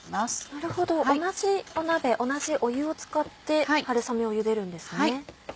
なるほど同じ鍋同じ湯を使って春雨を茹でるんですね。